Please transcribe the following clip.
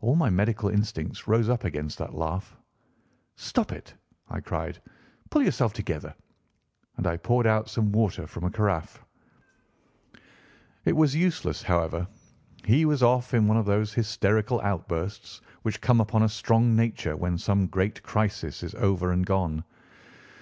All my medical instincts rose up against that laugh. "Stop it!" I cried; "pull yourself together!" and I poured out some water from a caraffe. It was useless, however. He was off in one of those hysterical outbursts which come upon a strong nature when some great crisis is over and gone.